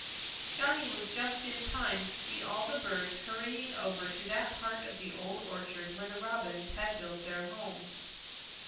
Johnny was just in time to see all the birds hurrying over to that part of the Old Orchard where the Robins had built their home.